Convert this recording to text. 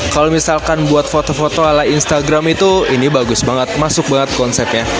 kalau misalkan buat foto foto ala instagram itu ini bagus banget masuk banget konsepnya